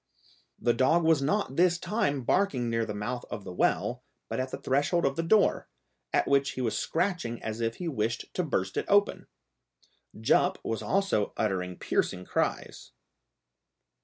The dog was not this time barking near the mouth of the well, but at the threshold of the door, at which he was scratching as if he wished to burst it open. Jup was also uttering piercing cries.